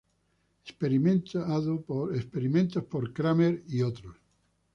Experimentos por Cramer et al.